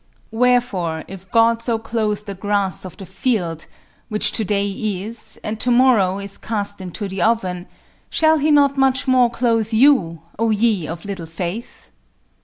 Wherefore, if God so clothe the grass of the field, which today is, and tomorrow is cast into the oven, shall he not much more clothe you, O ye of little faith?